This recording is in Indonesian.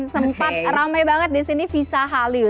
sempat ramai banget di sini visa hallyu